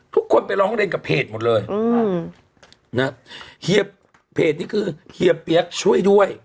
ทุกคนไปร้องเรียนกับเพจหมดเลยอืมนะเฮียเพจนี้คือเฮียเปี๊ยกช่วยด้วย